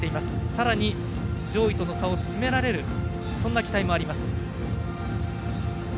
さらに上位との差を詰められるそんな期待もあります、土井。